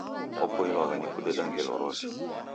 Wapoilwagha ni kudeda ngelo rose